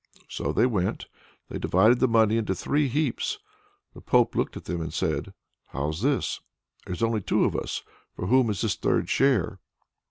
So they went. They divided the money into three heaps. The Pope looked at them, and said: "How's this? There's only two of us. For whom is this third share?"